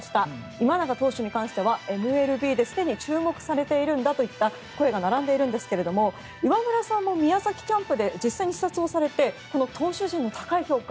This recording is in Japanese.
今永投手に関してはＭＬＢですでに注目されているんだという声が並んでいるんですが岩村さんも宮崎キャンプで実際に視察されてこの投手陣の高い評価